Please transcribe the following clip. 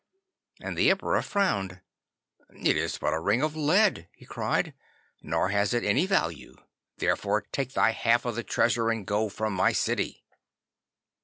'And the Emperor frowned. "It is but a ring of lead," he cried, "nor has it any value. Therefore take thy half of the treasure and go from my city."